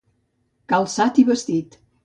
Calçat i vestit.